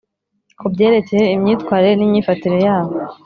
Ku byerekeye imyitwarire n imyifatire yabo